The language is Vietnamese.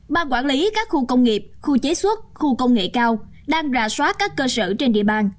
ban quản lý các khu công nghiệp khu chế xuất khu công nghệ cao đang rà soát các cơ sở trên địa bàn